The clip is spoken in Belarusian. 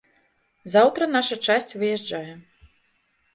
Заўтра наша часць выязджае.